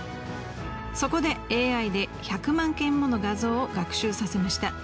そこでＡＩで１００万件もの画像を学習させました。